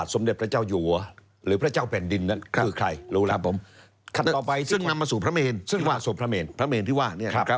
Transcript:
ซึ่งนำมาสู่พระเมรที่ว่า